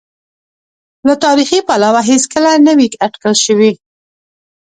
له تاریخي پلوه هېڅکله نه وې اټکل شوې.